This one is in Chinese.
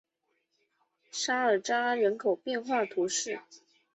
萨尔扎人口变化图示